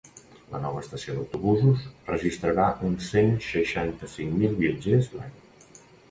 La nova estació d’autobusos registrarà uns cent seixanta-cinc mil viatgers l’any.